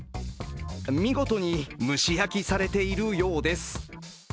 見事に蒸し焼きされているようです。